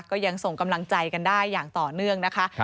ก็ยังส่งกำลังใจกันได้อย่างต่อเนื่องนะคะ